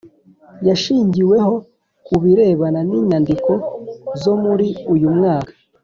yashingiweho ku birebana n’inyandiko zo muri uyu mwaka